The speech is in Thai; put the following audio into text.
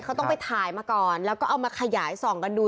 เขาต้องไปถ่ายมาก่อนแล้วก็เอามาขยายส่องกันดู